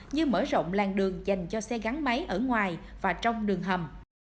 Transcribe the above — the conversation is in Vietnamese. như mở rộng làng đường dành cho xe gắn máy ở ngoài và trong đường hầm